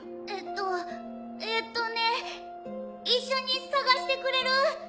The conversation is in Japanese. えっとえっとね一緒に捜してくれる？